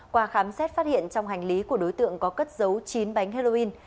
qua khám xét phát hiện trong hành lý của đối tượng có cất dấu chín bánh heroin